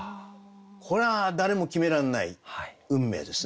これは誰も決めらんない運命ですね。